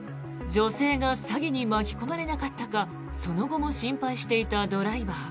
女性が詐欺に巻き込まれなかったかその後も心配していたドライバー。